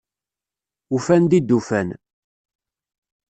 Ufan-d i d-ufan…